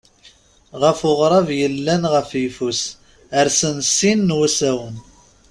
Ɣer uɣrab yellan ɣef yeffus, rsen sin n wusawen.